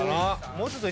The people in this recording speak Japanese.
もうちょっと。